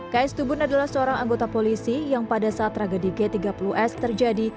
ks tubun adalah seorang anggota polisi yang pada saat tragedi g tiga puluh s terjadi